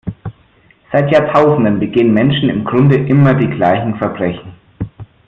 Seit Jahrtausenden begehen Menschen im Grunde immer die gleichen Verbrechen.